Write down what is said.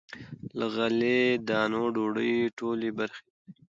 له غلې- دانو ډوډۍ ټولې برخې لري.